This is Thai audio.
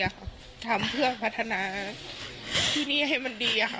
นะคะทำเพื่อพัฒนาที่นี่ให้มันดีค่ะ